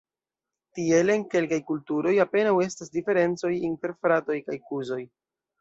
Tiele en kelkaj kulturoj apenaŭ estas diferencoj inter fratoj kaj kuzoj.